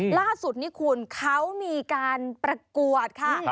ล่าสุดนี่คุณเขามีการประกวดค่ะ